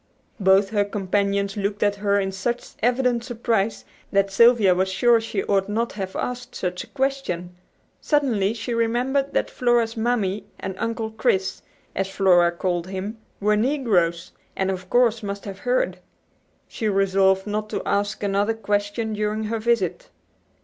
Both her companions looked at her in such evident surprise that Sylvia was sure she ought not to have asked such a question. Suddenly she remembered that Flora's "Mammy" and "Uncle Chris," as Flora called him, were negroes, and of course must have heard. She resolved not to ask another question during her visit.